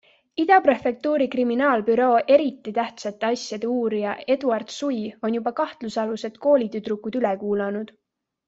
Ida prefektuuri kriminaalbüroo eriti tähtsate asjade uurija Eduard Sui on juba kahtlusalused koolitüdrukud üle kuulanud.